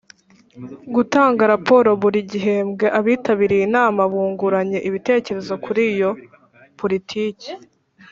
Gutanga raporo buri gihembwe abitabiriye inama bunguranye ibitekerezo kuri iyo politiki